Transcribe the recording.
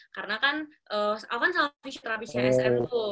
karena kan apa kan sama fisioterapisnya sm tuh